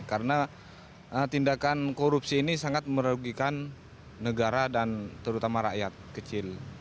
karena tindakan korupsi ini sangat merugikan negara dan terutama rakyat kecil